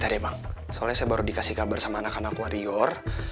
gak ada bang soalnya saya baru dikasih kabar sama anak anak warior